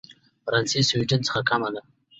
فرانسې سوېډن څخه کمه ده.